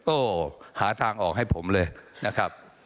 โอ้โหหาทางออกให้ผมเลยนะครับ